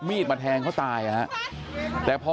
ต้องมาป้องเพื่อนมาปกป้องเพื่อน